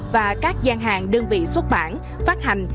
và các gian hàng đơn vị xuất bản phát hành